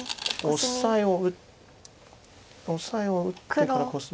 オサエを打ってからコスむ。